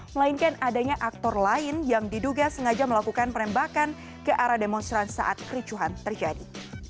melainkan adanya aktor lain yang diduga sengaja melakukan penembakan ke arah demonstran saat kericuhan terjadi